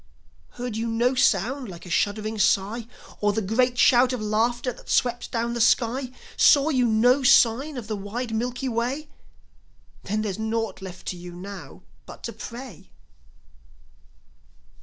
Heard you no sound like a shuddering sigh! Or the great shout of laughter that swept down the sky? Saw you no sign on the wide Milky Way? Then there's naught left to you now but to pray.